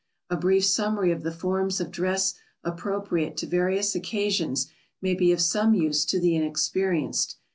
A brief summary of the forms of dress appropriate to various occasions may be of some use to the inexperienced.